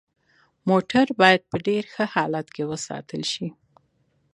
موټر باید په ډیر ښه حالت کې وساتل شي